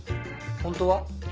本当は？